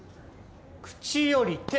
口より手！